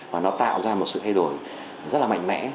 và nó tạo ra một sự thay đổi rất là mạnh mẽ